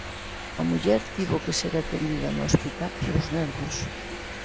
A muller tivo que ser atendida no hospital polos nervios.